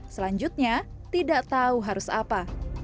selanjutnya tidak tahu harus apa